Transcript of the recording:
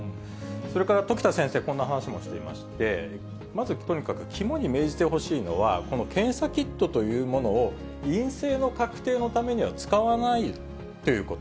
それから時田先生、こんな話もしていまして、まずとにかく肝に銘じてほしいのは、この検査キットというものを陰性の確定のためには使わないということ。